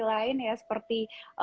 lain ya seperti